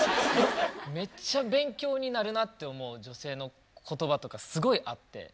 めっちゃ勉強になるなって思う女性の言葉とかすごいあって。